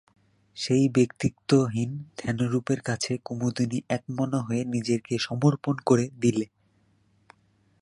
সেই ব্যক্তিকতাহীন ধ্যানরূপের কাছে কুমুদিনী একমনা হয়ে নিজেকে সমর্পণ করে দিলে।